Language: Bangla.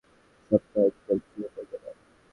সপ্তাহান্তের পুরোটাই তোমার।